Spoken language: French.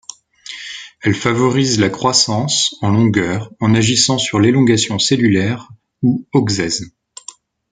Elle favorise la croissance en longueur en agissant sur l’élongation cellulaire ou auxèse.